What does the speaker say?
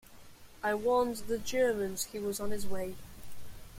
I warned the Germans he was on his way.